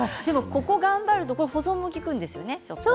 ここを頑張ると保存も利くんですよね。